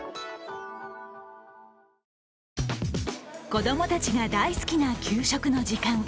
子供たちが大好きな給食の時間。